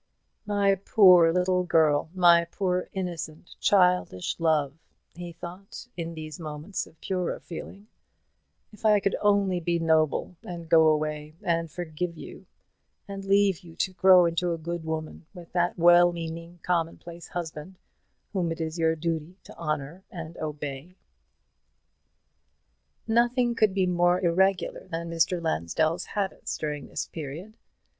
"My poor little girl, my poor innocent childish love," he thought, in these moments of purer feeling; "if I could only be noble, and go away, and forgive you, and leave you to grow into a good woman, with that well meaning commonplace husband, whom it is your duty to honour and obey." Nothing could be more irregular than Mr. Lansdell's habits during this period.